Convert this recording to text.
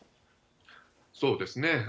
そうですね。